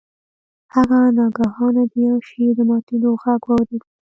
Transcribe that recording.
هغه ناگهانه د یو شي د ماتیدو غږ واورید.